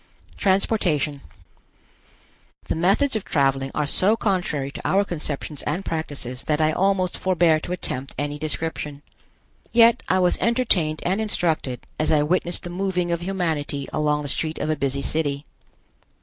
TRANSPORTATION. The methods of traveling are so contrary to our conceptions and practices that I almost forbear to attempt any description. Yet I was entertained and instructed as I witnessed the moving of humanity along a street of a busy city.